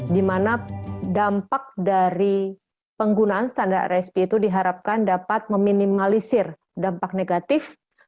di mana dampak dari penggunaan standar rsp itu diharapkan dapat meminimalisir dampak negatif